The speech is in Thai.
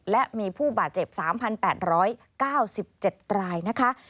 และมีผู้บาดเจ็บ๓๘๙๗รายนะคะ